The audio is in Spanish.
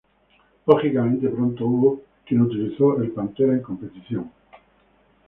Lógicamente pronto hubo quien utilizó el Pantera en competición.